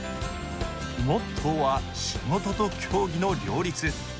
モットーは仕事と競技の両立。